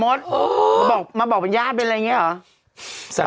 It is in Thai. อะไรบ้างล่ะมดมาบอกบรรยาตรเป็นอะไรอย่างนี้หรือ